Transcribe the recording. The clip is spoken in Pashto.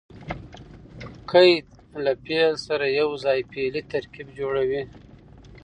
قید له فعل سره یوځای فعلي ترکیب جوړوي.